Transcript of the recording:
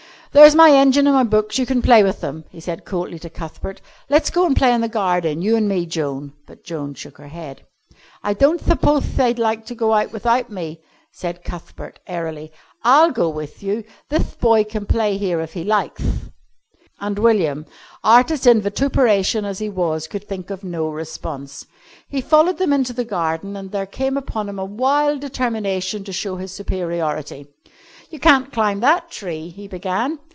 "There's my engine, an' my books. You can play with them," he said coldly to Cuthbert. "Let's go and play in the garden, you and me, Joan." But Joan shook her head. "I don't thuppoth the'd care to go out without me," said Cuthbert airily. "I'll go with you. Thith boy can play here if he liketh." And William, artist in vituperation as he was, could think of no response. He followed them into the garden, and there came upon him a wild determination to show his superiority. "You can't climb that tree," he began.